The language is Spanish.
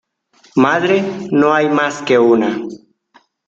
Madre no hay más que una.